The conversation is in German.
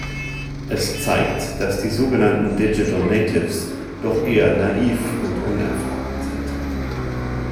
Es zeigt, dass die sogenannten Digital Natives doch eher naiv und unerfahren sind.